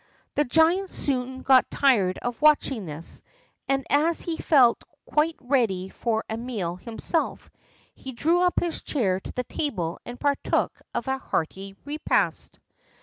The giant soon got tired of watching this, and as he felt quite ready for a meal himself, he drew up his chair to the table and partook of a hearty repast.